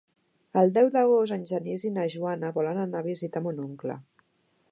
El deu d'agost en Genís i na Joana volen anar a visitar mon oncle.